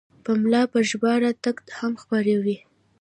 پملا په ژباړه نقد هم خپروي.